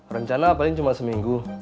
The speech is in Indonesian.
rencana paling cuma seminggu